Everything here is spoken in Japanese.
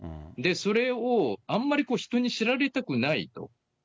それをあんまり人に知られたくないと。